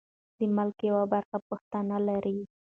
د ملک یوه برخه پښتانه لري.